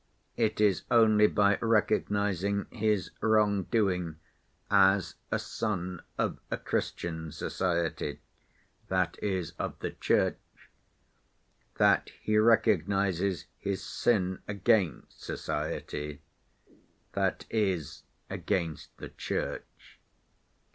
It is only by recognizing his wrong‐doing as a son of a Christian society—that is, of the Church—that he recognizes his sin against society—that is, against the Church.